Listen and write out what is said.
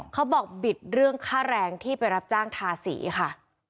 เขาบอกบิดเรื่องค่าแรงที่ไปรับจ้างทาสีค่ะ